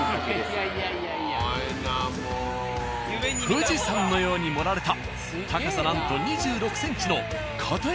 富士山のように盛られた高さなんと２６ｃｍのかた